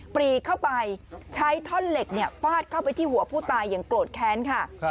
ปรีเข้าไปใช้ท่อนเหล็กฟาดเข้าไปที่หัวผู้ตายอย่างโกรธแค้นค่ะ